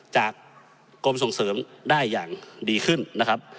จากกรมส่งเสริมได้อย่างดีขึ้นนะครับ